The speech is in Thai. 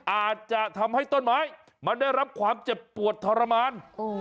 อาจจะทำให้ต้นไม้มันได้รับความเจ็บปวดทรมาน